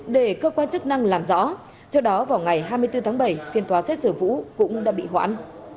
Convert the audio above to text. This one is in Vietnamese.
để cơ quan chức năng làm rõ trước đó vào ngày hai mươi bốn tháng bảy phiên tòa xét xử vũ cũng đã bị hoãn